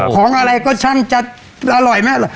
ของอะไรก็ช่างจะอร่อยไหมอร่อย